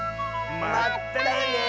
まったね！